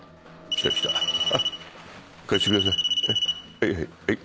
はいはいはい。